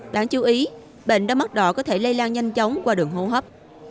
đáng chú ý bệnh đau mắt đỏ có thể lây lan nhanh chóng qua đường hô hấp